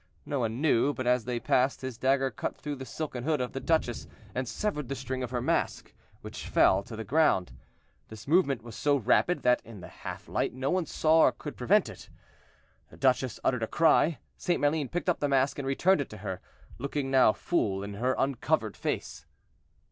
No one knew, but as they passed, his dagger cut through the silken hood of the duchess and severed the string of her mask, which fell to the ground. This movement was so rapid that in the half light no one saw or could prevent it. The duchess uttered a cry; St. Maline picked up the mask and returned it to her, looking now full in her uncovered face.